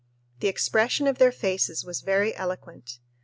The expression of their faces was very eloquent.